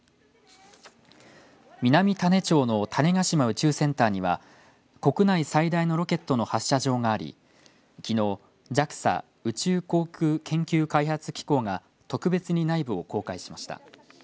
南種子町の種子島宇宙センターには国内最大のロケットの発射場がありきのうＪＡＸＡ宇宙航空研究開発機構が特別に内部を公開しました。